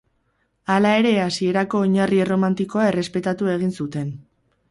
Hala ere hasierako oinarri erromanikoa errespetatu egin zuten.